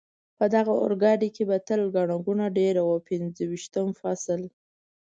په دغه اورګاډي کې به تل ګڼه ګوڼه ډېره وه، پنځه ویشتم فصل.